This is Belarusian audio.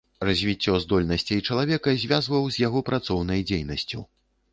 Развіццё здольнасцей чалавека звязваў з яго працоўнай дзейнасцю.